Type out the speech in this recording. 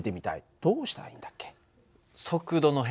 どうしたらいいんだっけ？